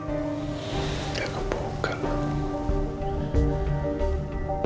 ulang tahun gue